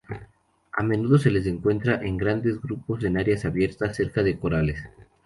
A menudo se les encuentra en grandes grupos en áreas abiertas cerca de corales.